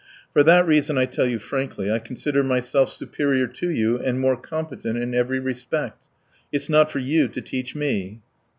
For that reason, I tell you frankly, I consider myself superior to you and more competent in every respect. It's not for you to teach me."